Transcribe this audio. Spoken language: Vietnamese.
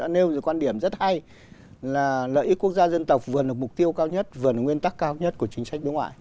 nêu quan điểm rất hay là lợi ích quốc gia dân tộc vừa là mục tiêu cao nhất vừa là nguyên tắc cao nhất của chính sách đối ngoại